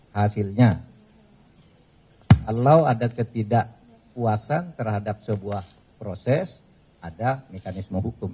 hasilnya kalau ada ketidakpuasan terhadap sebuah proses ada mekanisme hukum